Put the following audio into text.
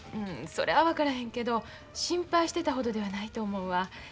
それは分からへんけど心配してたほどではないと思うわ。